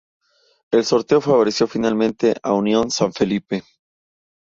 El sorteo favoreció finalmente a Unión San Felipe.